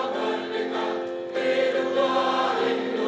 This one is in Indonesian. bersih merakyat kerja